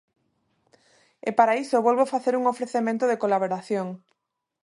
E para iso volvo facer un ofrecemento de colaboración.